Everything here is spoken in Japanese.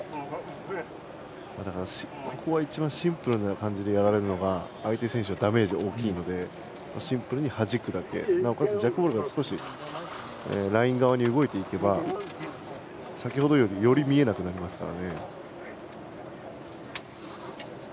ここは一番シンプルな感じでやられるのが相手はダメージ大きいのでシンプルにはじくだけなおかつジャックボールが少しライン側に動いていけば先ほどよりより見えなくなりますから。